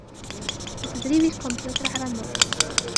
لتدريب الكمبيوتر على النطق.